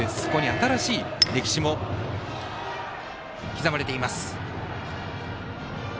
新しい歴史も刻まれています。